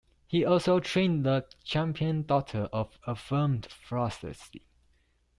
He also trained the champion daughter of Affirmed, Flawlessly.